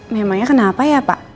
memangnya kenapa ya pak